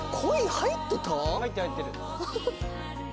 入ってる。